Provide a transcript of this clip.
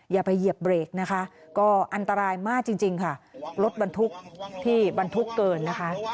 อย่าไปเหยียบเบรกนะคะก็อันตรายมากจริงค่ะรถบรรทุกที่บรรทุกเกินนะคะ